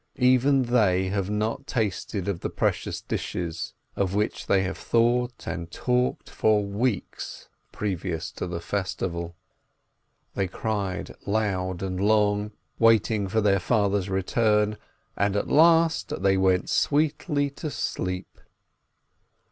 Even they have not tasted of the precious dishes, of which they have thought and talked for weeks previous to the festival. They cried loud and long, waiting for their father's return, and at last they went sweetly to sleep.